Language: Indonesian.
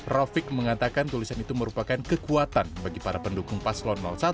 rofik mengatakan tulisan itu merupakan kekuatan bagi para pendukung paslon satu